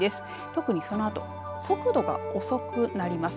特にそのあと速度が遅くなります。